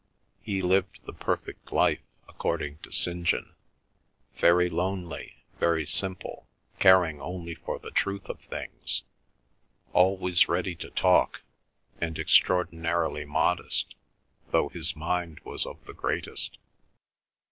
He lived the perfect life, according to St. John, very lonely, very simple, caring only for the truth of things, always ready to talk, and extraordinarily modest, though his mind was of the greatest.